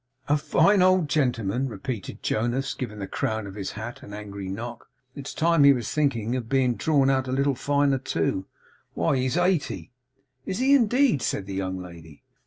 'A fine old gentleman!' repeated Jonas, giving the crown of his hat an angry knock. 'Ah! It's time he was thinking of being drawn out a little finer too. Why, he's eighty!' 'Is he, indeed?' said the young lady.